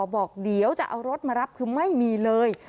บอกเดี๋ยวจะเอารถมารับคือไม่มีเลย